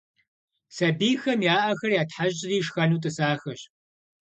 Сабийхэм я ӏэхэр ятхьэщӏри шхэну тӏысахэщ.